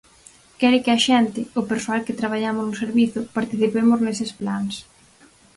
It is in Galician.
Quere que a xente, o persoal que traballamos no servizo, participemos neses plans.